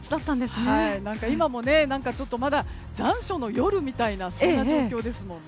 今も残暑の夜みたいなそんな状況ですもんね。